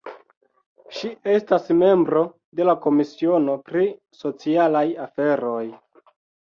Ŝi estas membro de la komisiono pri socialaj aferoj.